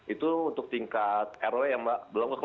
itu untuk tingkat roe yang mbak belum kekeluargaan